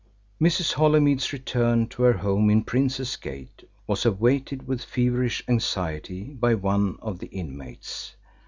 Mrs. Holymead's return to her home in Princes Gate was awaited with feverish anxiety by one of the inmates.